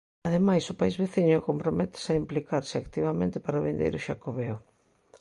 Ademais, o país veciño comprométese a implicarse activamente para o vindeiro xacobeo.